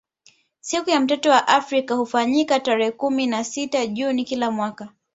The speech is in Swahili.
Siku ya mtoto wa Afrika hufanyika tarehe kumi na sita juni kila mwaka